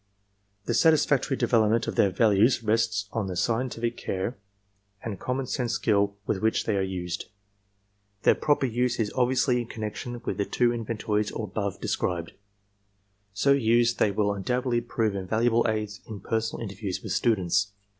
The satisfactory development of their values rests on the scientific care and common sense skill with which they are used. Their proper use is obviously in connection with the two inventories above described. So used they will undoubtedly prove invaluable aids in personal interviews with students.